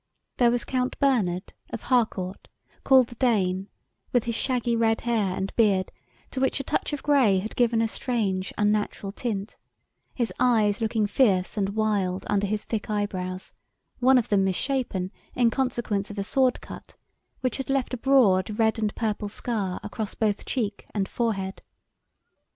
There was Count Bernard, of Harcourt, called the "Dane," with his shaggy red hair and beard, to which a touch of grey had given a strange unnatural tint, his eyes looking fierce and wild under his thick eyebrows, one of them mis shapen in consequence of a sword cut, which had left a broad red and purple scar across both cheek and forehead.